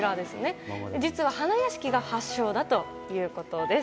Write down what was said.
実は花やしきが発祥だということです。